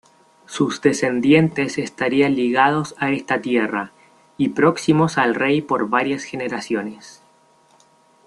Sus descendientes estarían ligados a esta tierra y próximos al rey por varias generaciones.